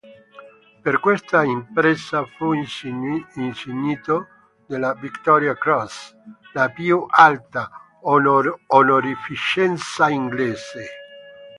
Per questa impresa fu insignito della Victoria Cross, la più alta onorificenza inglese.